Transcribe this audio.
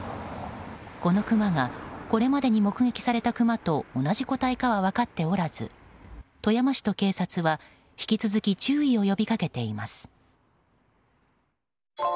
このクマがこれまでに目撃されたクマと同じ個体かは分かっておらず富山市と警察は引き続き注意を呼び掛けています。